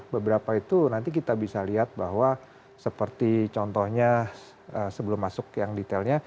beberapa itu nanti kita bisa lihat bahwa seperti contohnya sebelum masuk yang detailnya